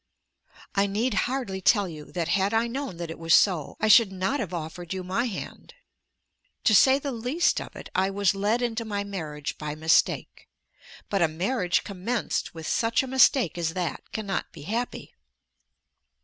I need hardly tell you that had I known that it was so I should not have offered you my hand. To say the least of it, I was led into my marriage by mistake. But a marriage commenced with such a mistake as that cannot be happy.